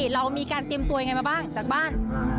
เรามีการเตรียมตัวยังไงมาบ้างจากบ้าน